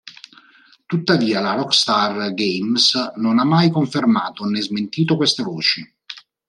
Tuttavia la Rockstar Games non ha mai confermato né smentito queste voci.